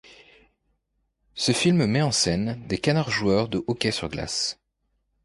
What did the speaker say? Ce film met en scène des canards joueurs de hockey sur glace.